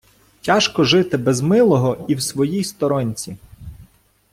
Тяжко жити без милого і в своїй сторонці!